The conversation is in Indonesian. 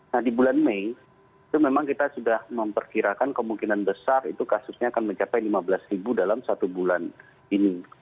nah di bulan mei itu memang kita sudah memperkirakan kemungkinan besar itu kasusnya akan mencapai lima belas ribu dalam satu bulan ini